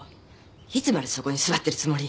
いつまでそこに座ってるつもり？